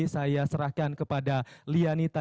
saya serahkan kepada lianita